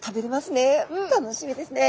楽しみですね。